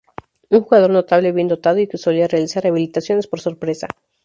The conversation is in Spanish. Un jugador notable, bien dotado y que solía realizar habilitaciones por sorpresa.